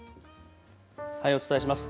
お伝えします。